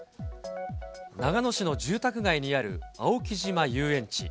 長野市の住宅街にある青木島遊園地。